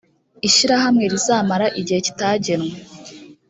ishyirahamwe rizamara igihe kitagenwe